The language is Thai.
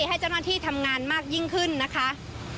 ให้เจ้าหน้าที่ทำงานมากยิ่งขึ้นนะคะ